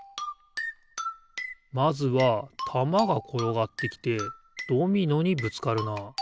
まずはたまがころがってきてドミノにぶつかるなあ。